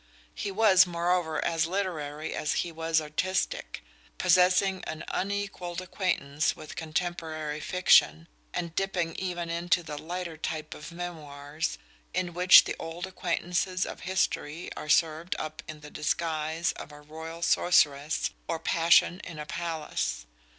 He was moreover as literary as he was artistic; possessing an unequalled acquaintance with contemporary fiction, and dipping even into the lighter type of memoirs, in which the old acquaintances of history are served up in the disguise of "A Royal Sorceress" or "Passion in a Palace."